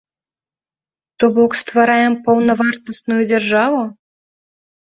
То бок, ствараем паўнавартасную дзяржаву?